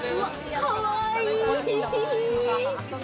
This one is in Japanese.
かわいい！